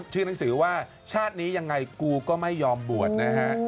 ชื่อหนังสือว่าชาตินี้ยังไงกูก็ไม่ยอมบวชนะฮะ